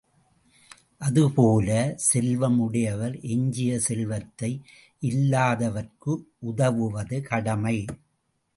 அதுபோல, செல்வம் உடையவர் எஞ்சிய செல்வத்தை இல்லாதவர்க்கு உதவுவது கடமை.